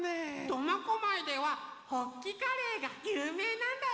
苫小牧ではホッキカレーがゆうめいなんだよ。